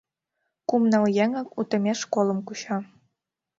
Кум-ныл еҥак утымеш колым куча.